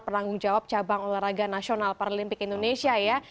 penanggung jawab cabang olahraga nasional paralimpik indonesia ya